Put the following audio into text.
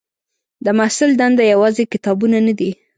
د محصل دنده یوازې کتابونه نه دي.